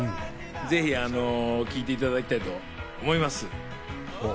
ぜひ聴いていただきたいと思います。